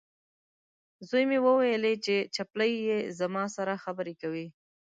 زوی مې وویلې، چې چپلۍ یې زما سره خبرې کوي.